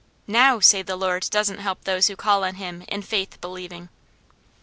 NOW, say the Lord doesn't help those who call on Him in faith believing!